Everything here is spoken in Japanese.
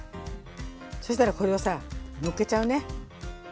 そしたらこれをさのっけちゃうね。